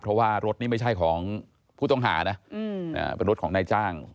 เพราะว่ารถนี่ไม่ใช่ของผู้ต้องหานะเป็นรถของนายจ้าง